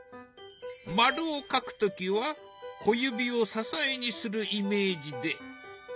丸を描く時は小指を支えにするイメージで。